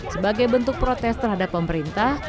sebagai bentuk protes terhadap pemerintah